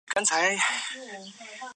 外套则以黑色为主。